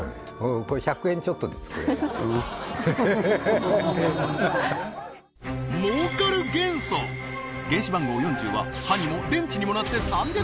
これ１００円ちょっとで作れるへへへへへ原子番号４０は歯にも電池にもなって累計